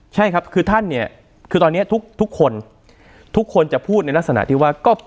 ใช่ครับคือตอนนี้ทุกคนทุกคนจะพูดในลักษณะว่า